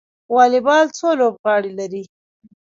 والیبال څو لوبغاړي لري؟